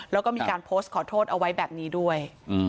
แล้วก็มีการโพสต์ขอโทษเอาไว้แบบนี้ด้วย